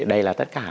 đây là tất cả